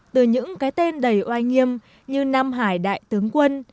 từ những cái tên đầy oai nghiêm như nam hải đại tướng quân